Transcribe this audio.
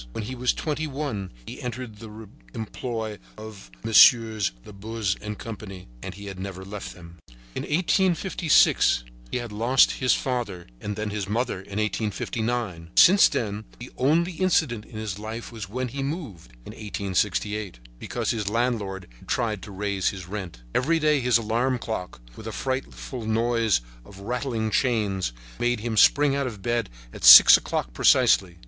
When he was twenty one he entered the employ of Messieurs Labuze and Company. And he had never left them. In 1856 he had lost his father and then his mother in 1859. Since then the only incident in his life was when he moved, in 1868, because his landlord had tried to raise his rent. Every day his alarm clock, with a frightful noise of rattling chains, made him spring out of bed at 6 o'clock precisely.